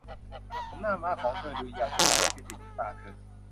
ผมหน้าม้าของเธอดูยาวจนทำให้ไปปิดลูกตาเธอ